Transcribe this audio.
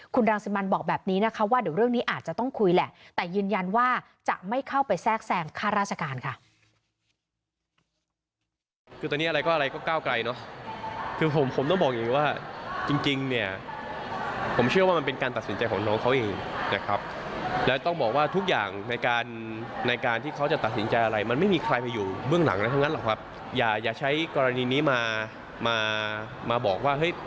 คุณรังสิมันบอกแบบนี้นะคะว่าเดี๋ยวเรื่องนี้อาจจะต้องคุยแหละแต่ยืนยันว่าจะไม่เข้าไปแทรกแซงค่าราชการค่ะ